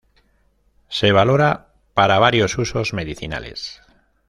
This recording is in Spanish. Se valora para varios usos medicinales.